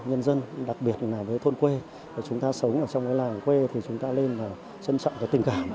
nhân dân đặc biệt là với thôn quê chúng ta sống trong cái làng quê thì chúng ta nên trân trọng tình cảm